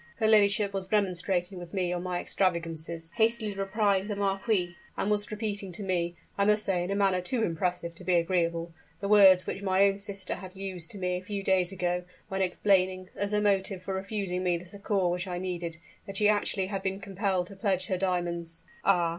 "Her ladyship was remonstrating with me on my extravagancies," hastily replied the marquis, "and was repeating to me I must say in a manner too impressive to be agreeable the words which my own sister had used to me a few days ago, when explaining, as her motive for refusing me the succor which I needed, that she actually had been compelled to pledge her diamonds " "Ah!